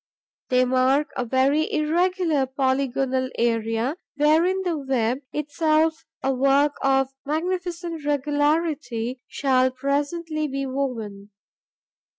They mark a very irregular polygonal area, wherein the web, itself a work of magnificent regularity, shall presently be woven.